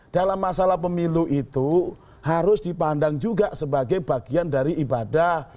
dalam masalah pemilu itu harus dipandang juga sebagai bagian dari ibadah